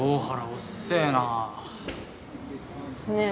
おっせえなねえ